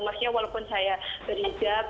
maksudnya walaupun saya berhijab